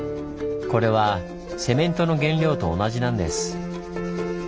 これはセメントの原料と同じなんです。